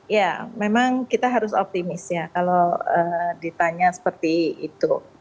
ya memang kita harus optimis ya kalau ditanya seperti itu